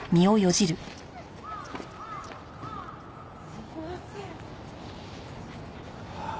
すいません。